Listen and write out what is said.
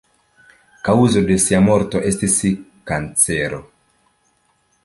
Kaŭzo de ŝia morto estis kancero.